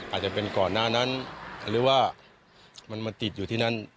อาจจะเป็นก่อนหน้านั้นหรือว่ามันมาติดอยู่ที่นั้น